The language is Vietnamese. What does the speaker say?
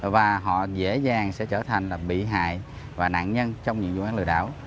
và họ dễ dàng sẽ trở thành bị hại và nạn nhân trong những vụ án lừa đảo